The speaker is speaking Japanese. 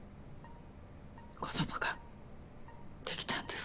子供ができたんです。